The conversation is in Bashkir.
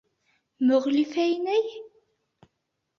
Мөғлифә инәй?!